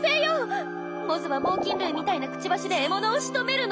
モズは猛禽類みたいなくちばしで獲物をしとめるの。